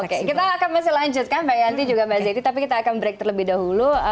oke kita akan masih lanjutkan mbak yanti juga mbak zeti tapi kita akan break terlebih dahulu